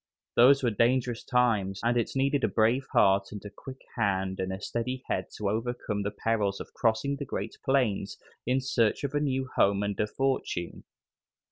Those were dangerous times, and it needed a brave heart and a quick hand and a steady head to overcome the perils of crossing the great plains in search of a new home and a fortune.